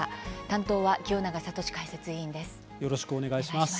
担当は清永聡解説委員です。